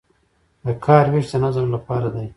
د کار ویش د نظم لپاره دی